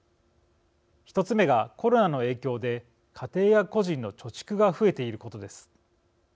１つ目が、コロナの影響で家庭や個人の貯蓄が増えていることです。